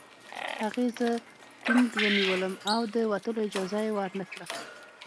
هغې زه ټینګ ونیولم او د وتلو اجازه یې ورنکړه